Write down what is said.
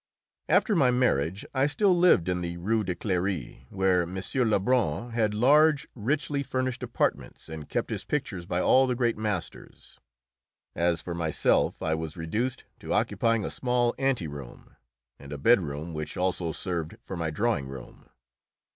After my marriage I still lived in the Rue de Cléry, where M. Lebrun had large, richly furnished apartments and kept his pictures by all the great masters. As for myself, I was reduced to occupying a small anteroom, and a bedroom, which also served for my drawing room.